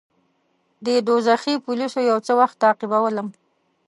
دې دوږخي پولیسو یو څه وخت تعقیبولم.